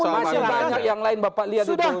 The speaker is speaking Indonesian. masih banyak yang lain bapak lihat itu